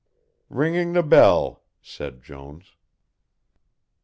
"Ringing the bell," said Jones.